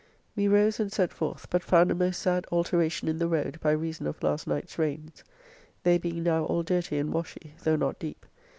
We rose, and set forth, but found a most sad alteration in the road by reason of last night's rains, they being now all dirty and washy, though not deep.